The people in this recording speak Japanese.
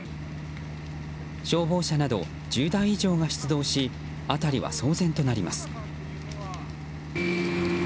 消防車など１０台以上が出動し辺りは騒然となります。